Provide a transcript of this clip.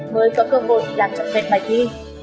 mới có cơ hội đạt chọn đẹp bài thi